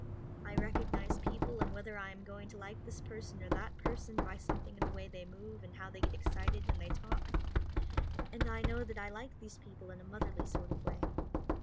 I recognize people and whether I am going to like this person or that person by something in the way they move and how they get excited when they talk; and I know that I like these people in a motherly sort of way.